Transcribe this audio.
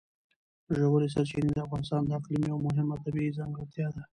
ژورې سرچینې د افغانستان د اقلیم یوه مهمه طبیعي ځانګړتیا ده.